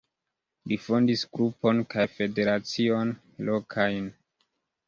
Li fondis grupon kaj federacion lokajn.